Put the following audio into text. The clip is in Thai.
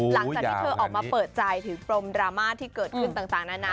หลังจากที่เธอออกมาเปิดใจถึงปรมดราม่าที่เกิดขึ้นต่างนานา